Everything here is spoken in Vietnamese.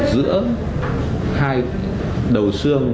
giữa hai đầu xương